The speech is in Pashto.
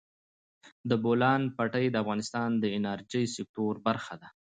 د بولان پټي د افغانستان د انرژۍ سکتور برخه ده.